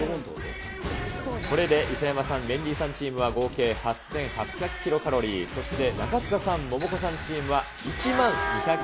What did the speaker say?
これで磯山さん、メンディーさんチームは合計８８００キロカロリー、そして、中務さん、モモコさんチームは１万２００